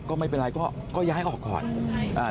ก็ไม่เป็นไรก็ก็ย้ายออกก่อนใช่ค่ะอ่า